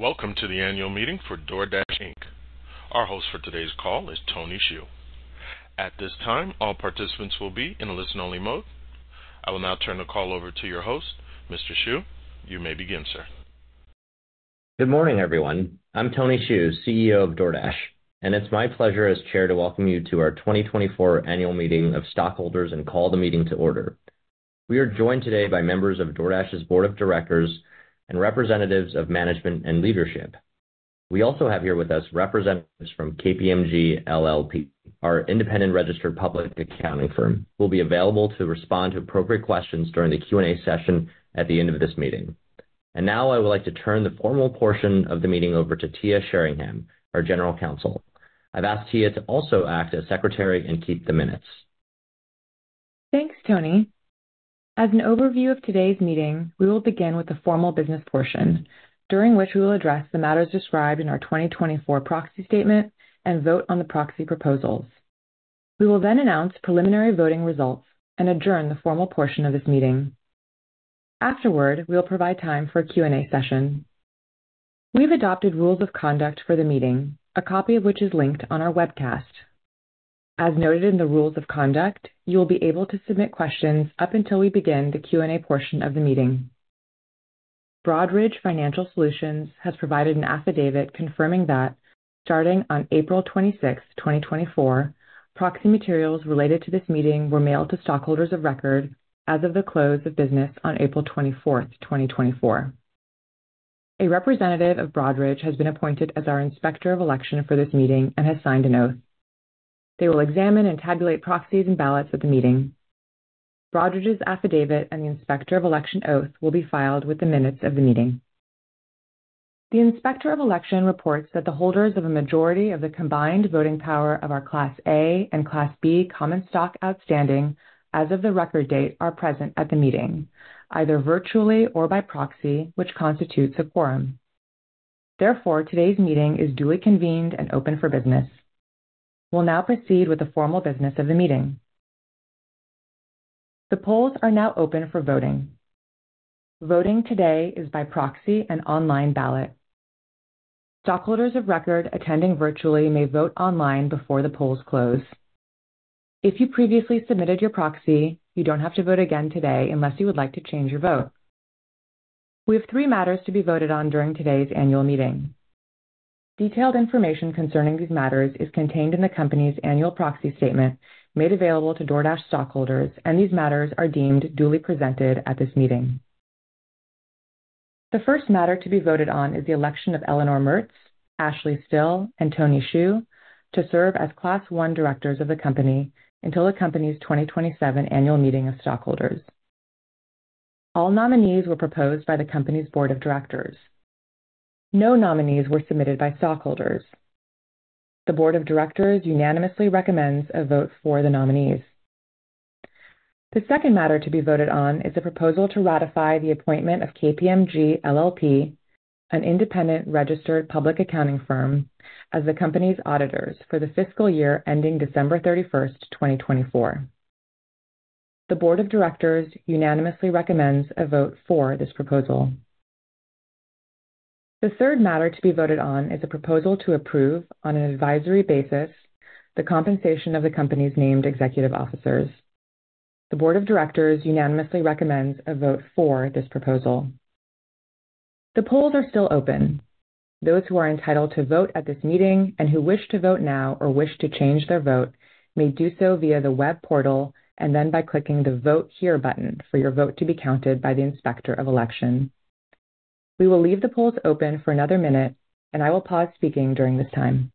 Welcome to the annual meeting for DoorDash, Inc. Our host for today's call is Tony Xu. At this time, all participants will be in a listen-only mode. I will now turn the call over to your host. Mr. Xu, you may begin, sir. Good morning, everyone. I'm Tony Xu, CEO of DoorDash, and it's my pleasure as chair to welcome you to our 2024 annual meeting of stockholders and call the meeting to order. We are joined today by members of DoorDash's board of directors and representatives of management and leadership. We also have here with us representatives from KPMG LLP. Our independent registered public accounting firm will be available to respond to appropriate questions during the Q&A session at the end of this meeting. And now I would like to turn the formal portion of the meeting over to Tia Sherringham, our General Counsel. I've asked Tia to also act as secretary and keep the minutes. Thanks, Tony. As an overview of today's meeting, we will begin with the formal business portion, during which we will address the matters described in our 2024 proxy statement and vote on the proxy proposals. We will then announce preliminary voting results and adjourn the formal portion of this meeting. Afterward, we'll provide time for a Q&A session. We've adopted rules of conduct for the meeting, a copy of which is linked on our webcast. As noted in the rules of conduct, you will be able to submit questions up until we begin the Q&A portion of the meeting. Broadridge Financial Solutions has provided an affidavit confirming that starting on April 26th, 2024, proxy materials related to this meeting were mailed to stockholders of record as of the close of business on April 24th, 2024. A representative of Broadridge has been appointed as our inspector of election for this meeting and has signed an oath. They will examine and tabulate proxies and ballots at the meeting. Broadridge's affidavit and the inspector of election oath will be filed with the minutes of the meeting. The inspector of election reports that the holders of a majority of the combined voting power of our Class A and Class B common stock outstanding as of the record date are present at the meeting, either virtually or by proxy, which constitutes a quorum. Therefore, today's meeting is duly convened and open for business. We'll now proceed with the formal business of the meeting. The polls are now open for voting. Voting today is by proxy and online ballot. Stockholders of record attending virtually may vote online before the polls close. If you previously submitted your proxy, you don't have to vote again today unless you would like to change your vote. We have three matters to be voted on during today's annual meeting. Detailed information concerning these matters is contained in the company's annual proxy statement made available to DoorDash stockholders, and these matters are deemed duly presented at this meeting. The first matter to be voted on is the election of Eleanor Mertz, Ashley Still, and Tony Xu to serve as Class I directors of the company until the company's 2027 annual meeting of stockholders. All nominees were proposed by the company's board of directors. No nominees were submitted by stockholders. The board of directors unanimously recommends a vote for the nominees. The second matter to be voted on is a proposal to ratify the appointment of KPMG LLP, an independent registered public accounting firm, as the company's auditors for the fiscal year ending December 31, 2024. The board of directors unanimously recommends a vote for this proposal. The third matter to be voted on is a proposal to approve, on an advisory basis, the compensation of the company's named executive officers. The board of directors unanimously recommends a vote for this proposal. The polls are still open. Those who are entitled to vote at this meeting and who wish to vote now or wish to change their vote may do so via the web portal and then by clicking the Vote Here button for your vote to be counted by the inspector of election. We will leave the polls open for another minute, and I will pause speaking during this time.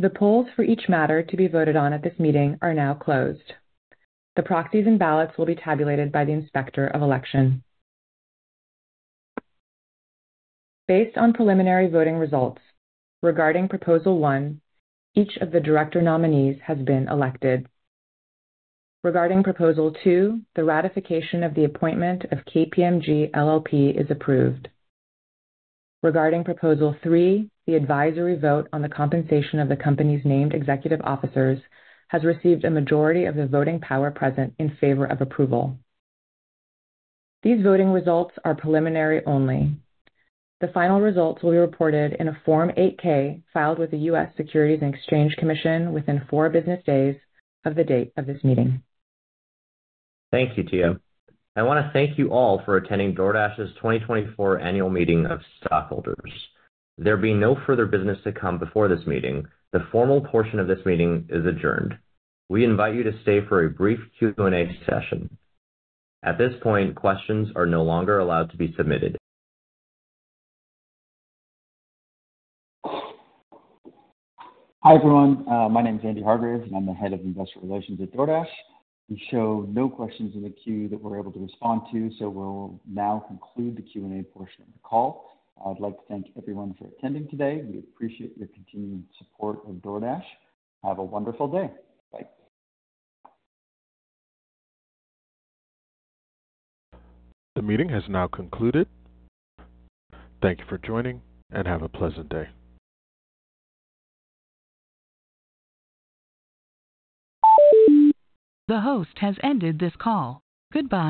The polls for each matter to be voted on at this meeting are now closed. The proxies and ballots will be tabulated by the inspector of election. Based on preliminary voting results, regarding Proposal One, each of the director nominees has been elected. Regarding Proposal Two, the ratification of the appointment of KPMG LLP is approved. Regarding Proposal Three, the advisory vote on the compensation of the company's named executive officers has received a majority of the voting power present in favor of approval. These voting results are preliminary only. The final results will be reported in a Form 8-K filed with the U.S. Securities and Exchange Commission within four business days of the date of this meeting. Thank you, Tia. I want to thank you all for attending DoorDash's 2024 annual meeting of stockholders. There being no further business to come before this meeting, the formal portion of this meeting is adjourned. We invite you to stay for a brief Q&A session. At this point, questions are no longer allowed to be submitted. Hi, everyone. My name is Andy Hargreaves, and I'm the Head of Investor Relations at DoorDash. We show no questions in the queue that we're able to respond to, so we'll now conclude the Q&A portion of the call. I'd like to thank everyone for attending today. We appreciate your continued support of DoorDash. Have a wonderful day. Bye. The meeting has now concluded. Thank you for joining, and have a pleasant day. The host has ended this call. Goodbye.